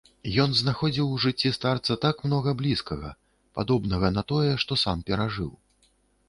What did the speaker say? Ён знаходзіў у жыцці старца так многа блізкага, падобнага на тое, што сам перажыў.